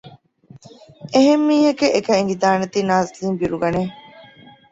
އެހެންމީހަކަށް އެކަން އެނގިދާނެތީ ނަޒީލް ބިރުގަނެ